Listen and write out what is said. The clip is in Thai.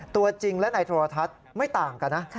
ตัวจริงและในโทรทัศน์ไม่ต่างกันนะ